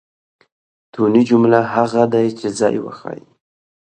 توني؛ جمله هغه ده، چي ځای وښیي.